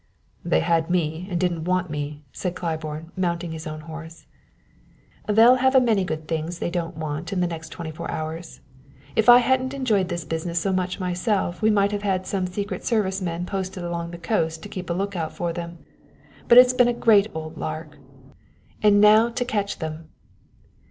"They had me and didn't want me," said Claiborne, mounting his own horse. "They'll have a good many things they don't want in the next twenty four hours. If I hadn't enjoyed this business so much myself we might have had some secret service men posted all along the coast to keep a lookout for them. But it's been a great old lark. And now to catch them!"